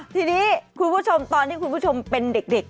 ทีนี้คุณผู้ชมตอนที่คุณผู้ชมเป็นเด็ก